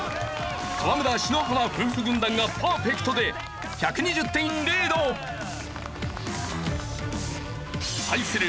河村＆篠原夫婦軍団がパーフェクトで１２０点リード！対する